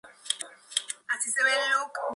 Esta versión nunca se oficializó.